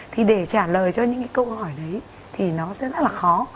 thì để trả lời cho những cái câu hỏi đấy thì nó sẽ rất là khó